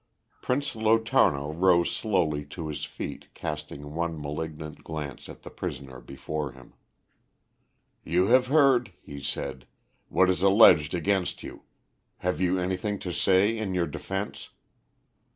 Prince Lotarno rose slowly to his feet, casting one malignant glance at the prisoner before him. "You have heard," he said, "what is alleged against you. Have you anything to say in your defence?"